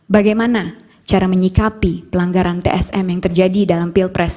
bagaimana cara menyikapi pelanggaran tsm yang terjadi dalam pilpres dua ribu dua puluh empat